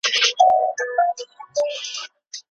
دا پیښه د اړیکو د کمزورۍ پایله ده.